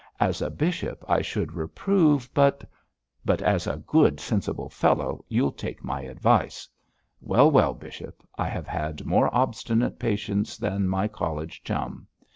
As a bishop, I should reprove you, but ' 'But, as a good, sensible fellow, you'll take my advice. Well, well, bishop, I have had more obstinate patients than my college chum.